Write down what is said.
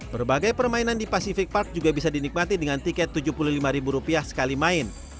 berbagai permainan di pacific park juga bisa dinikmati dengan tiket rp tujuh puluh lima sekali main